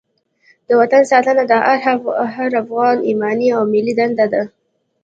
د وطن ساتنه د هر افغان ایماني او ملي دنده ده.